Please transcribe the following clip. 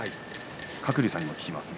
鶴竜さんにも聞きます。